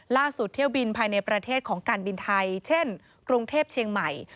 เที่ยวบินภายในประเทศของการบินไทยเช่นกรุงเทพเชียงใหม่